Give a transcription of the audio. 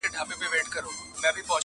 پر قاتل یې زیارت جوړ دی بختور دی،